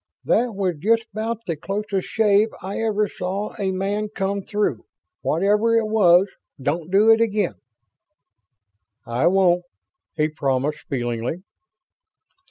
"That was just about the closest shave I ever saw a man come through. Whatever it was, don't do it again." "I won't," he promised, feelingly.